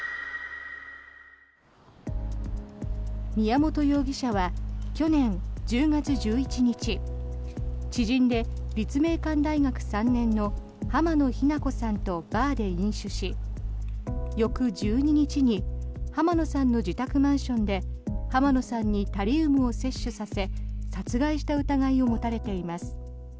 宮本容疑者は去年１０月１１日知人で立命館大学３年の浜野日菜子さんとバーで飲酒し翌１２日に浜野さんの自宅マンションで浜野さんにタリウムを摂取させ殺害した疑いが持たれています。